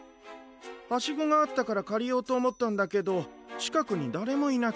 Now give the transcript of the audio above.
ハシゴがあったからかりようとおもったんだけどちかくにだれもいなくて。